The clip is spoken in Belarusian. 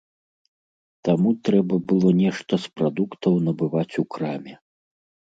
Таму трэба было нешта з прадуктаў набываць у краме.